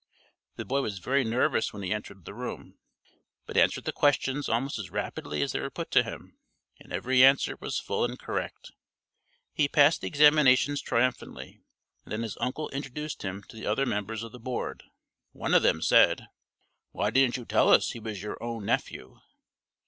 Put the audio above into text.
The boy was very nervous when he entered the room, but answered the questions almost as rapidly as they were put to him, and every answer was full and correct. He passed the examinations triumphantly, and then his uncle introduced him to the other members of the Board. One of them said, "Why didn't you tell us he was your own nephew?"